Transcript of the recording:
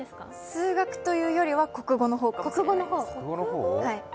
数学というよりは国語の方かもしれないです。